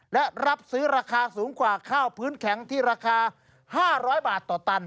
และรับซื้อราคาสูงกว่าข้าวพื้นแข็งที่ราคา๕๐๐บาทต่อตัน